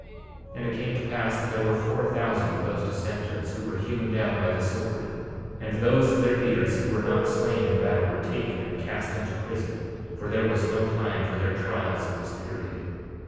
51:19 And it came to pass that there were four thousand of those dissenters who were hewn down by the sword; and those of their leaders who were not slain in battle were taken and cast into prison, for there was no time for their trials at this period.